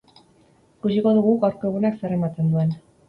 Ikusiko dugu gaurko egunak zer ematen duen.